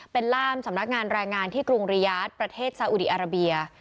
เป็นล่ามสำนักงานแรงงานที่กรุงริยาทประเทศซาอุดีอาราเบีย